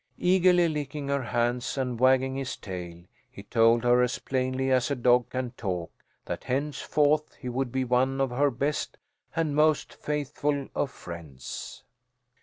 Eagerly licking her hands and wagging his tail, he told her as plainly as a dog can talk that henceforth he would be one of her best and most faithful of friends.